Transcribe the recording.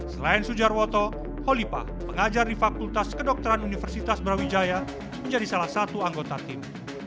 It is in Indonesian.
selain sujarwoto holipa pengajar di fakultas kedokteran universitas brawijaya menjadi salah satu anggota tim